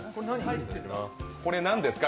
これ、何ですか？